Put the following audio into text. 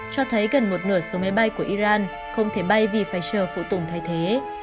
cho thấy gần một nửa số máy bay của iran không thể bay vì phải chờ phụ tùng thay thế